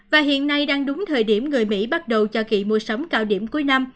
và hiện nay đang đúng thời điểm người mỹ bắt đầu cho kỳ mua sắm cao điểm cuối năm